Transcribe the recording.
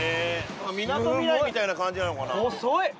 みなとみらいみたいな感じなのかな。